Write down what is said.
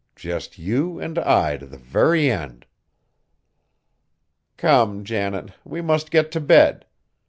Just you and I to the very end!" "Come, Janet, we must get t' bed.